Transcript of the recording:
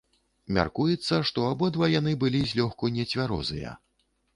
Мяркуецца, што абодва яны былі злёгку нецвярозыя.